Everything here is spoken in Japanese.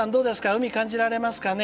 海感じられますかね？